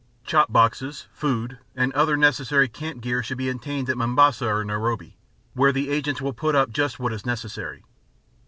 Chop boxes (food) and other necessary camp gear should be obtained at Mombasa or Nairobi, where the agents will put up just what is necessary.